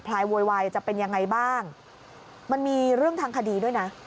โวยวายจะเป็นยังไงบ้างมันมีเรื่องทางคดีด้วยนะ